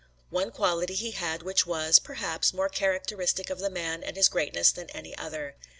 One quality he had which was, perhaps, more characteristic of the man and his greatness than any other.